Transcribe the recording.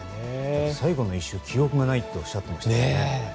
最後の１周記憶がないとおっしゃっていましたね。